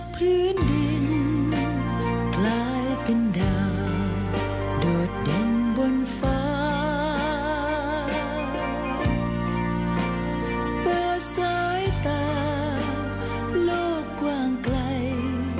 ประสายตาโลกกว่างไกล